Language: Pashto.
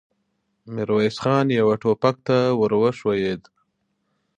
ميرويس خان يوه ټوپک ته ور وښويېد.